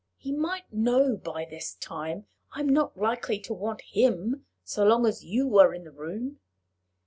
He might know by this time I'm not likely to want him so long as you are in the room!"